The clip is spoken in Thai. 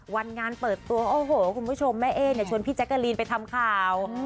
วันงานเปิดตัวคุณผู้ชมแม่เอ้ชวนพี่แจ๊กกาลีนไปทำข่าว